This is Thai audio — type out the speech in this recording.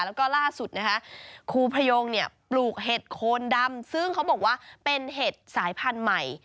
และล่าสุดคุพยงปลูกเห็ดโคนดำซึ่งเขาบอกว่าเป็นเห็ดสายพันธุ์ใหม่